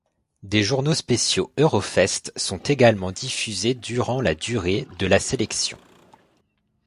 Des journaux spéciaux Eurofest sont également diffusés durant la durée de la sélection.